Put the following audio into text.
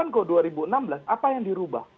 dua ribu delapan ke dua ribu enam belas apa yang dirubah